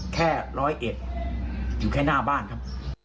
แค่ร้อยเอ็ดอยู่แค่หน้าบ้านครับ